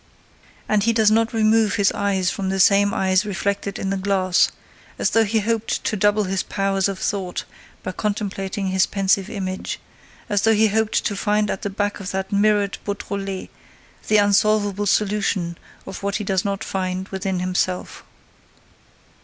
And he does not remove his eyes from those same eyes reflected in the glass, as though he hoped to double his powers of thought by contemplating his pensive image, as though he hoped to find at the back of that mirrored Beautrelet the unsolvable solution of what he does not find within himself.